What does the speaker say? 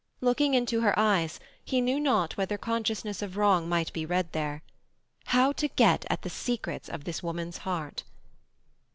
Looking into her eyes, he knew not whether consciousness of wrong might be read there. How to get at the secrets of this woman's heart?